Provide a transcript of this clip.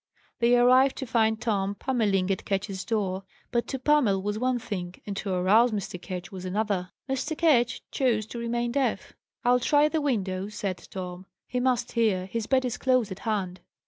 They arrived, to find Tom pummelling at Ketch's door. But to pummel was one thing, and to arouse Mr. Ketch was another. Mr. Ketch chose to remain deaf. "I'll try the window," said Tom, "He must hear; his bed is close at hand."